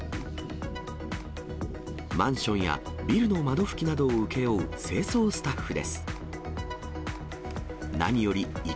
マンションやビルの窓拭きなどを請け負う清掃スタッフです。